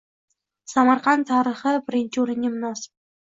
“Samarqand tarixi“ birinchi oʻringa munosib